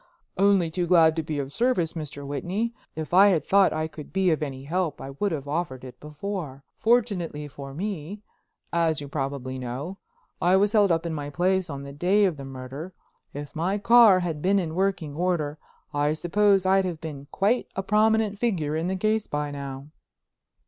"Only too glad to be of service, Mr. Whitney. If I had thought I could be of any help I would have offered before. Fortunately for me—as you probably know—I was held up in my place on the day of the murder. If my car had been in working order I suppose I'd have been quite a prominent figure in the case by now."